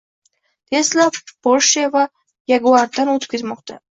Tesla Porsshe va Jaguar’dan o‘tib ketmoqda.